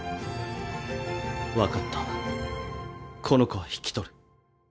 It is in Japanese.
分かったこの子は引き取る。